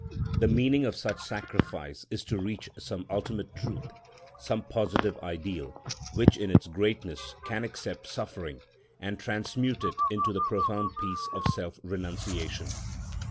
The meaning of such sacrifice is to reach some ultimate truth, some positive ideal, which in its greatness can accept suffering and transmute it into the profound peace of self renunciation.